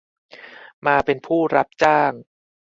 มาเป็นผู้รับจ้าง